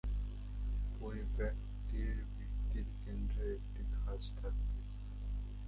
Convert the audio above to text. পরিব্যক্তির বৃত্তের কেন্দ্রে একটি খাঁজ থাকবে।